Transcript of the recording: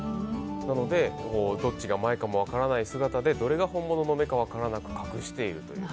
なので、どっちが前かも分からない姿でどれが本物の目か分からなく隠しているという。